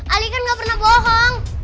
ali kan gak pernah bohong